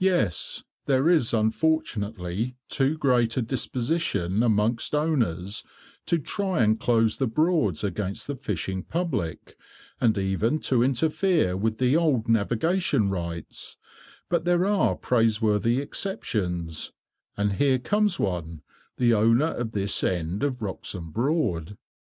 "Yes, there is unfortunately too great a disposition amongst owners to try and close the Broads against the fishing public, and even to interfere with the old navigation rights, but there are praiseworthy exceptions, and here comes one, the owner of this end of Wroxham Broad."